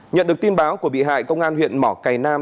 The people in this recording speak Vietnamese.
nhận được tin báo của bị hại công an huyện mỏ cầy nam